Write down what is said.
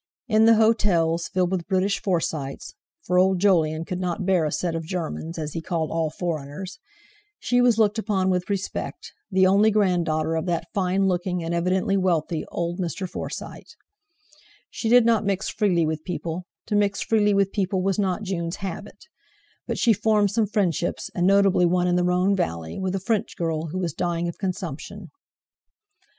In the hotels, filled with British Forsytes—for old Jolyon could not bear a "set of Germans," as he called all foreigners—she was looked upon with respect—the only grand daughter of that fine looking, and evidently wealthy, old Mr. Forsyte. She did not mix freely with people—to mix freely with people was not Jun's habit—but she formed some friendships, and notably one in the Rhone Valley, with a French girl who was dying of consumption.